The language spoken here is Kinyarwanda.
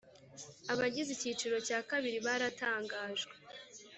Abagize Ikiciro cya kabiri baratangajwe